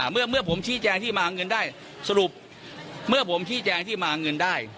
เมื่อผมชี้แจงที่มาเงินได้สรุปเมื่อผมชี้แจงที่มาเงินได้